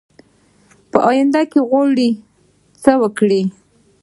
په آینده کې غواړي څه وکړي ؟